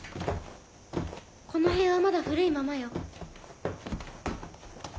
この辺はまだ古いままよ。